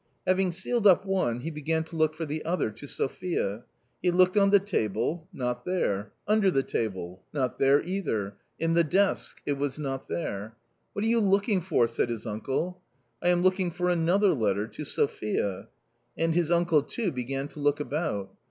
Having sealed up one, he began to look for the other, to Sophia. He looked on the table — not there; under the table — not there either; in the desk — it was not there. " What are you looking for? " said his uncle. " I am looking for another letter — to Sophia." And his uncle too began to look about.